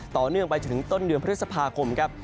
ต่อเนื่องไปจนถึงต้นเดือนพฤษภาคมครับ